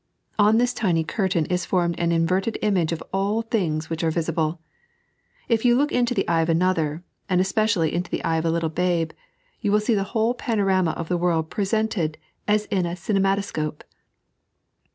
On this tiny curtain is formed an inverted image of all things which are visible. If you look into the eye of another, and especially into the eye of a little babe, you will see the whole panorama of the world presented as in a ainematoaoojK.